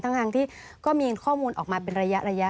ทั้งที่ก็มีข้อมูลออกมาเป็นระยะ